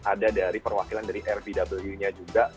ada dari perwakilan dari rvw nya juga